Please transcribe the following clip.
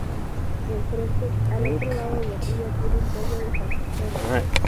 Enfrente, al otro lado del río, tiene el pueblo de San Cristóbal.